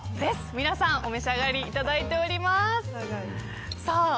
皆さんお召し上がりいただいています。